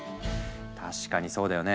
確かにそうだよね。